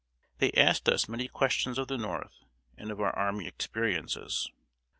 They asked us many questions of the North, and of our army experiences.